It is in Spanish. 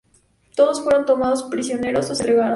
Todos fueron tomados prisioneros o se entregaron.